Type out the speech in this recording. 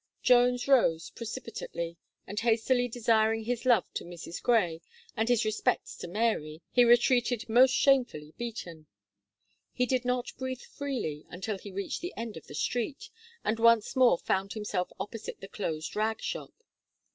Jones rose precipitately, and hastily desiring his love to Mrs. Gray, and his respects to Mary, he retreated most shamefully beaten. He did not breathe freely until he reached the end of the street, and once more found himself opposite the closed rag shop.